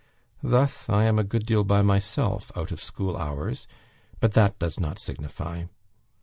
Thus I am a good deal by myself, out of school hours; but that does not signify.